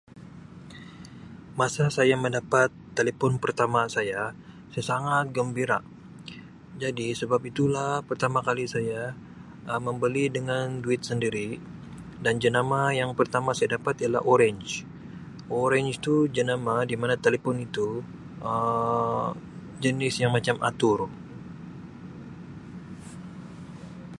"Masa saya mendapat telefon pertama saya, saya sangat gembira jadi sebab itu lah pertama kali saya Um membeli dengan duit sendiri dan jenama yang pertama saya dapat ialah ""Orange"" orange tu jenama dimana telefon itu Um jenis yang macam atur."